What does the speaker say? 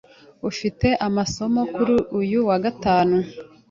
Ufite amasomo kuri uyu wa gatanu?